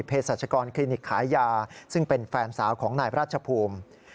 ศาชกรคลินิกขายยาซึ่งเป็นแฟนสาวของนายราชภูมิ